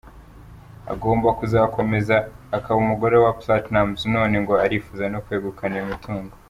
Agomba kuzakomeza akaba umugore wa Platnumz, none ngo arifuza no kwegukana iyo mitungo.